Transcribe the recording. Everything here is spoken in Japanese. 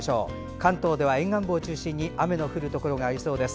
関東では沿岸部を中心に雨のところが多そうです。